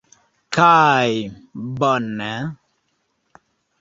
Kaj... bone!